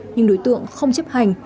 nhưng đối tượng không chấp hành